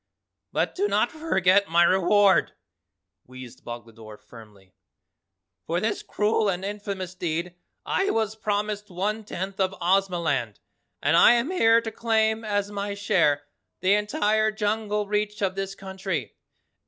"But do not forget my reward," wheezed Boglodore firmly. "For this cruel and infamous deed I was promised one tenth of Ozamaland and I am here to claim as my share the entire jungle reach of this country.